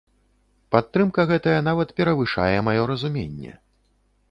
Падтрымка гэтая нават перавышае маё разуменне.